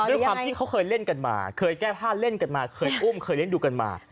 ด้วยความที่เขาเคยเล่นกันมาเคยแก้ผ้าเล่นกันมาเคยอุ้มเคยเล่นดูกันมา